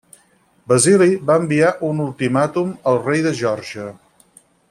Basili va enviar un ultimàtum al rei de Geòrgia.